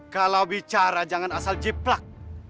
kalau bicara jangan asal jiplak